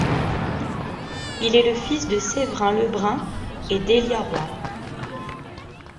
Il est le fils de Séverin Lebrun et Délia Roy.